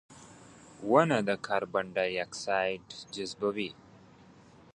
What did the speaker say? • ونه د کاربن ډای اکساید جذبوي.